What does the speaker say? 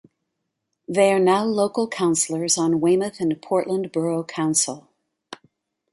They are now local councillors on Weymouth and Portland Borough Council.